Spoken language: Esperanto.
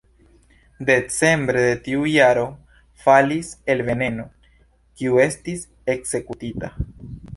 Decembre de tiu jaro falis "el Veneno", kiu estis ekzekutita.